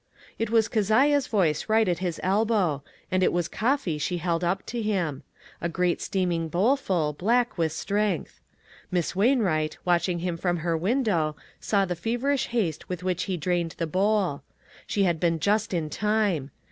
It was Keziah's voice right at his elbow, and it was coffee she held up to him. A great steaming bowl full, black with strength. Miss Wainwright, watching hiin from her window, saw the feverish haste with which he drained the bowl. She had been just in time.